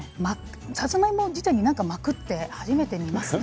さつまいも自体に巻くって始めて見ますね。